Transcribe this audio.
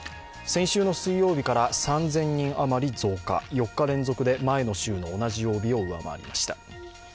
先週の水曜日から３０００人余り増加、４日連続で前の週の同じ曜日を上回りました。